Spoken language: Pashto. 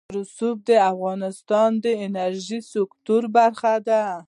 رسوب د افغانستان د انرژۍ سکتور برخه ده.